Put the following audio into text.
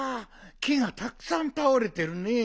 きがたくさんたおれてるねえ。